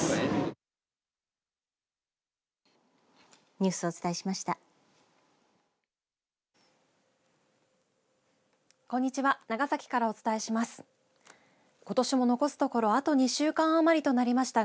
ニュースをお伝えしました。